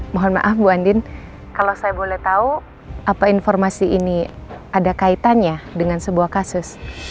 mohon maaf bu andin kalau saya boleh tahu apa informasi ini ada kaitannya dengan sebuah kasus